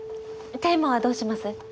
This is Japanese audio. テーマはどうします？